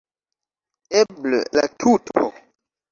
Eble la tuto.